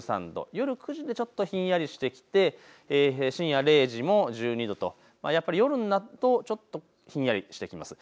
夜９時でちょっとひんやりとしてきて深夜０時も１２度とやっぱり夜になるとちょっとひんやりしてきます。